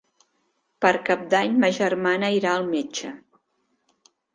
Per Cap d'Any ma germana irà al metge.